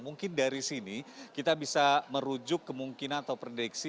mungkin dari sini kita bisa merujuk kemungkinan atau prediksi